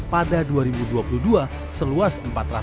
pada dua ribu dua puluh dua seluas empat ratus dua puluh